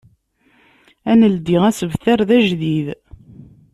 Ad neldi asebter d ajdid.